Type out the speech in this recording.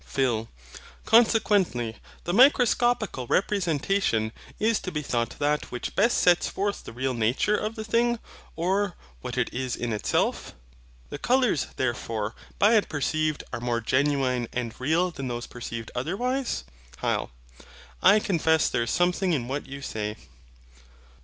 PHIL. Consequently the microscopical representation is to be thought that which best sets forth the real nature of the thing, or what it is in itself. The colours, therefore, by it perceived are more genuine and real than those perceived otherwise. HYL. I confess there is something in what you say.